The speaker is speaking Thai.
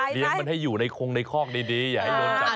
เลี้ยงมันให้อยู่ในคลองในคอกดี